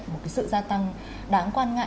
một sự gia tăng đáng quan ngại